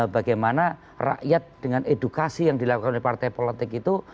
bagaimana rakyat dengan edukasi yang dilakukan oleh partai politik itu